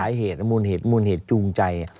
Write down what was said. เหตุมูลเหตุมูลเหตุจูงใจ